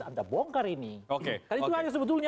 anda bongkar ini oke karena itu hanya sebetulnya